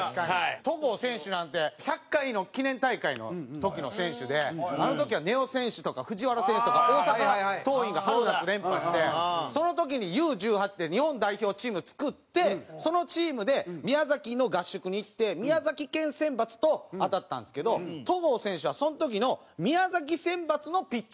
戸郷選手なんて１００回の記念大会の時の選手であの時は根尾選手とか藤原選手とか大阪桐蔭が春夏連覇してその時にＵ−１８で日本代表チーム作ってそのチームで宮崎の合宿に行って宮崎県選抜と当たったんですけど戸郷選手はその時の宮崎選抜のピッチャーやったんですよ。